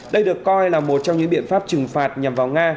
đây được coi là một trong những biện pháp trừng phạt nhằm vào nga